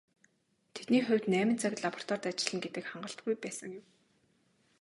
Тэдний хувьд найман цаг лабораторид ажиллана гэдэг хангалтгүй байсан юм.